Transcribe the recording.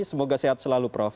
semoga sehat selalu prof